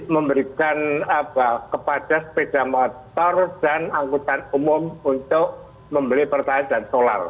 memberikan kepada sepeda motor dan angkutan umum untuk membeli pertalite dan solar